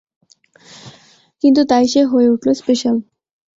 কিন্তু তাই সে হয়ে উঠলো স্পেশাল।